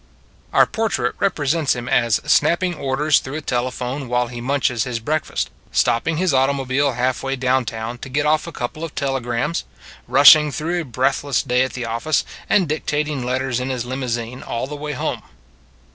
Our portrait represents him as snapping orders through a telephone while he munches his breakfast, stopping his auto mobile half way downtown to get off a couple of telegrams, rushing through a breathless day at the office, and dictating letters in his limousine all the way home.